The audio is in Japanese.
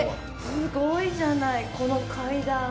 すごいじゃないこの階段。